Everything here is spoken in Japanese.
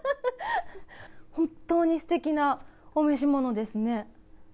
本当にすてきなお召し物ですね。